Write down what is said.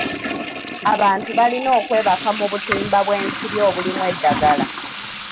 Abantu balina okwebaka mu butimba bw'ensiri obulimu eddagala.